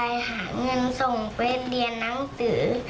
ไม่มีใครหาเงินส่งไปเรียนนักสื่อ